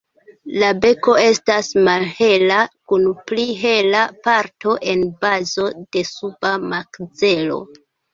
La beko estas malhela kun pli hela parto en bazo de suba makzelo.